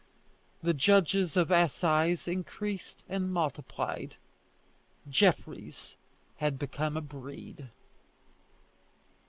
The judges of assize increased and multiplied. Jeffreys had become a breed.